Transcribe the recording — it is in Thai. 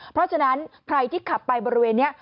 เพราะฉะนั้นใครที่ขับไปบริเวณนี้